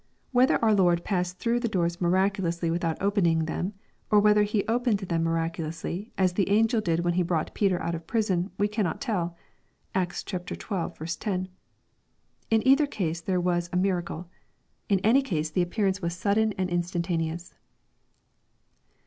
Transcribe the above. Whether our Lord passed through the doors miraculously without opening them, or whether He opened them miraculously, as the angel did when he brought Peter out of prison, we cannot tell. (Acte xii. 10.) In either case there was a mira cle. In any case the appearance was sudden and instantan eous.